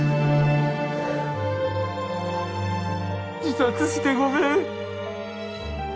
自殺してごめん。